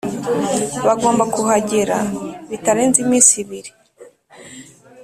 bagomba kuhagera bitarenze iminsi ibiri